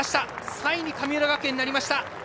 ３位に神村学園になりました。